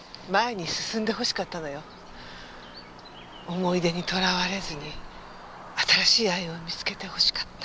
思い出にとらわれずに新しい愛を見つけてほしかった。